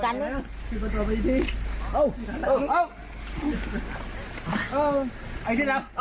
อ่ะเอ้า